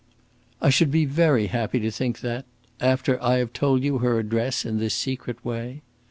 "I should be very happy to think that after I have told you her address in this secret way."